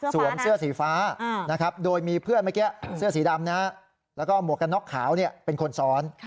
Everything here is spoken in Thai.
เสื้อสีฟ้าโดยมีเพื่อนเมื่อกี้เสื้อสีดำแล้วก็หมวกกันน็อกขาวเป็นคนซ้อน